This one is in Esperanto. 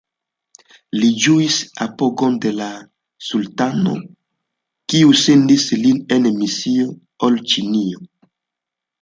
Li ĝuis apogon de la sultano, kiu sendis lin en misio al Ĉinio.